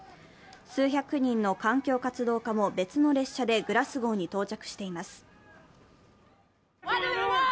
数百人の環境活動家も別の列車でグラスゴーに到着しています。